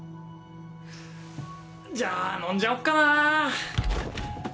じゃあ飲んじゃおっかなぁ！